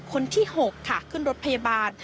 คนที่๖ค่ะขึ้นรถพยาบาล